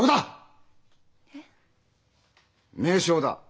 名称だ。